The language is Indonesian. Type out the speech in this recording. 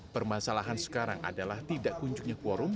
permasalahan sekarang adalah tidak kunjungnya quorum